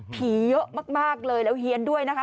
เยอะมากเลยแล้วเฮียนด้วยนะคะ